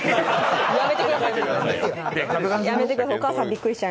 やめてください。